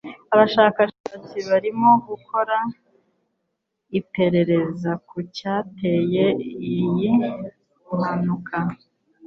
Abashakashatsi barimo gukora iperereza ku cyateye iyi mpanuka